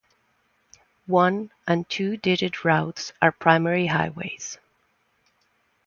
One and two-digit routes are primary highways.